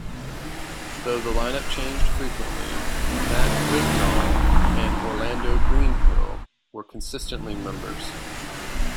Though the lineup changed frequently, Matt Wignall and Orlando Greenhill were consistently members.